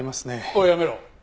おいやめろ。